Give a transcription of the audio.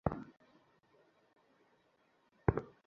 সেবাশুশ্রূষায় গৃহকর্মে স্বামীর লেশমাত্র ইচ্ছা সে অসম্পূর্ণ রাখিত না।